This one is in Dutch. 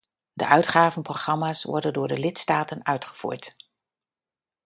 De uitgavenprogramma's worden door de lidstaten uitgevoerd.